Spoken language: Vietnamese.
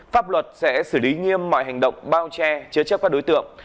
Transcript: pháp luật sẽ xử lý nghiêm mọi hành động bao che chế chấp các đối tượng